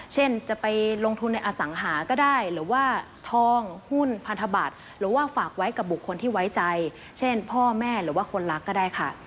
เช่นจะไปลงทุนในอสังหาก็ได้หรือว่าทองหุ้นพันธบัตรหรือว่าฝากไว้กับบุคคลที่ไว้ใจเช่นพ่อแม่หรือว่าคนรักก็ได้ค่ะ